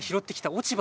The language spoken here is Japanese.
落ち葉。